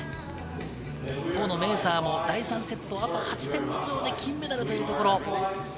一方のメーサーも第３セット、８点以上で金メダルというところ。